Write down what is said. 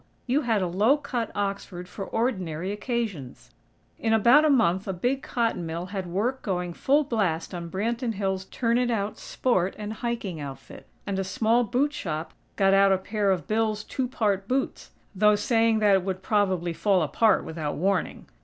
you had a low cut Oxford for ordinary occasions! In about a month a big cotton mill had work going full blast on "Branton Hills' Turn it out Sport and Hiking Outfit," and a small boot shop got out a pair of Bill's "two part boots," though saying that it would "probably fall apart without warning!"